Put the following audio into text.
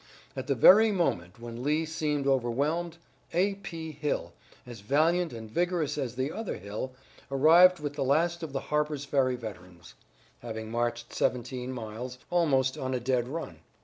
At the very moment when Lee seemed overwhelmed, A. P. Hill, as valiant and vigorous as the other Hill, arrived with the last of the Harper's Ferry veterans, having marched seventeen miles, almost on a dead run.